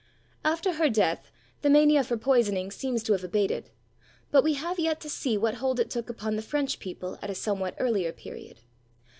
After her death the mania for poisoning seems to have abated; but we have yet to see what hold it took upon the French people at a somewhat earlier period.